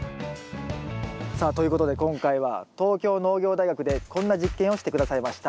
さあということで今回は東京農業大学でこんな実験をして下さいました。